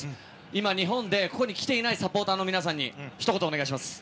今、日本でここに来ていないサポーターの皆さんにひと言お願いします。